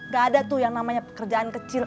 gak ada tuh yang namanya pekerjaan kecil